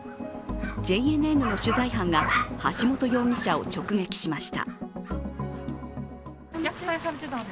ＪＮＮの取材班が橋本容疑者を直撃しました。